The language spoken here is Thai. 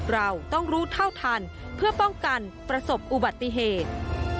เราต้องรู้เท่าทันเพื่อป้องกันประสบอุบัติเหตุ